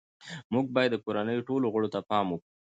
موږ باید د کورنۍ ټولو غړو ته پام وکړو